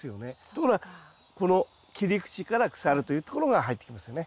ところがこの切り口から腐るというところが入ってきますね。